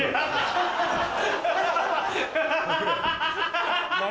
ハハハハ！